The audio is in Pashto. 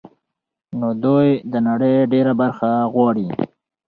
نو دوی د نړۍ ډېره برخه غواړي